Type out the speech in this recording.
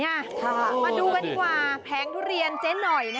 มาดูกันดีกว่าแผงทุเรียนเจ๊หน่อย